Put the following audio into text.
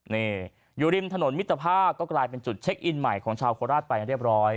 นี่อยู่ริมถนนมิตรภาพก็กลายเป็นจุดเช็คอินใหม่ของชาวโคราชไปเรียบร้อย